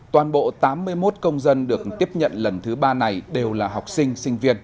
toàn bộ tám mươi một công dân được tiếp nhận lần thứ ba này đều là học sinh sinh viên